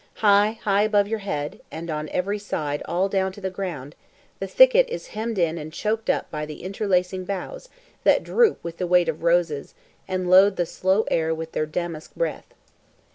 High, high above your head, and on every side all down to the ground, the thicket is hemmed in and choked up by the interlacing boughs that droop with the weight of roses, and load the slow air with their damask breath.